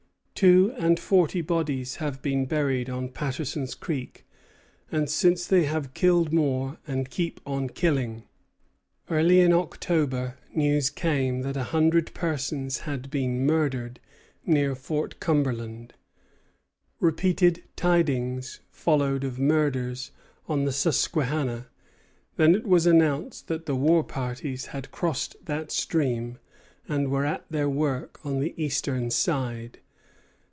"Two and forty bodies have been buried on Patterson's Creek; and since they have killed more, and keep on killing." Early in October news came that a hundred persons had been murdered near Fort Cumberland. Repeated tidings followed of murders on the Susquehanna; then it was announced that the war parties had crossed that stream, and were at their work on the eastern side.